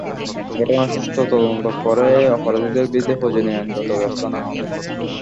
ঘটনার সুষ্ঠু তদন্ত করে অপরাধীদের বিরুদ্ধে প্রয়োজনীয় আইনগত ব্যবস্থা নেওয়া হবে।